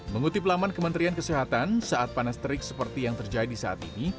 mengutip laman kementerian kesehatan saat panas terik seperti yang terjadi saat ini